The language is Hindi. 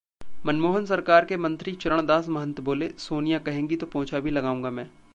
मनमोहन सरकार के मंत्री चरणदास महंत बोले,'सोनिया कहेंगी तो पोंछा भी लगाऊंगा मैं'